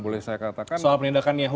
boleh saya katakan soal perlindakan yang